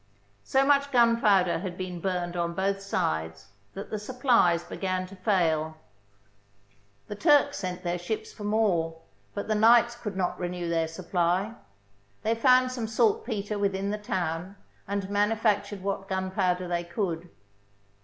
So much gunpowder had been burned on both sides that the supplies began to fail. The Turks sent their ships for more, but the knights could not renew their supply. They found some saltpetre within the town, and manufactured what gunpow der they could.